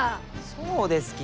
そうですき！